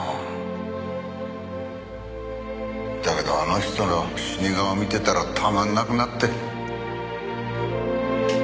だけどあの人の死に顔見てたらたまんなくなって。